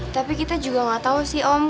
tapi kita juga gak tau sih om